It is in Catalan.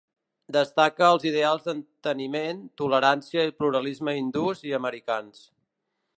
Destaca els ideals d'enteniment, tolerància i pluralisme hindús i americans.